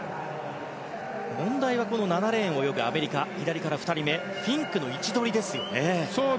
問題は７レーンを泳ぐアメリカのフィンクの位置取りですね。